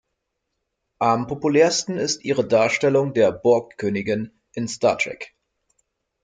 Am populärsten ist ihre Darstellung der "Borgkönigin" in "Star Trek".